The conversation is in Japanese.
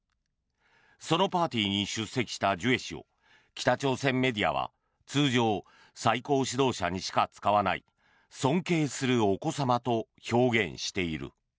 そのパーティーに出席したジュエ氏を北朝鮮メディアは通常、最高指導者にしか使わない「尊敬するお子様」と表現している。